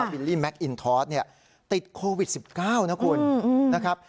วิลลี่แมคอินทอร์สติดโควิด๑๙นะครับ